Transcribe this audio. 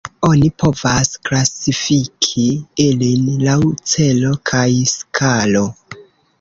Oni povas klasifiki ilin laŭ celo kaj skalo.